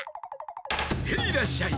ヘイらっしゃい！